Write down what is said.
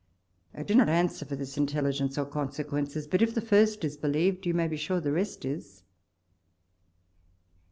I do not answer for this intelligence or consequences ; but, if the first is believed, you may be sure the rest is.